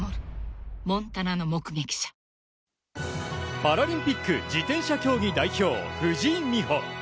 パラリンピック自転車競技代表藤井美穂。